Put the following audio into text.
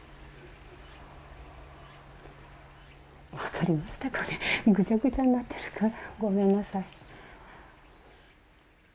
分かりましたかね、ぐちゃぐちゃになってるから、ごめんなさい。